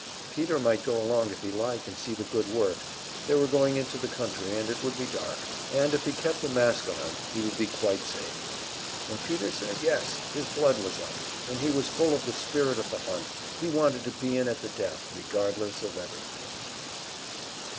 Peter might go along if he liked and see the good work; they were going into the country, and it would be dark, and if he kept a mask on he would be quite safe. And Peter said yes; his blood was up, he was full of the spirit of the hunt, he wanted to be in at the death, regardless of everything.